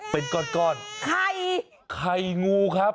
เป็นก้อนไข่ไข่งูครับ